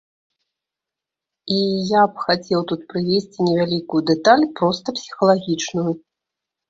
І я б хацеў тут прывесці невялікую дэталь, проста псіхалагічную.